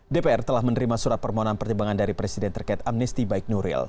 dpr telah menerima surat permohonan pertimbangan dari presiden terkait amnesti baik nuril